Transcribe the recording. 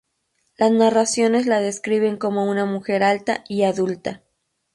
Las narraciones la describen como una mujer alta y adulta.